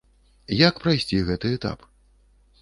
Як прайсці гэты этап?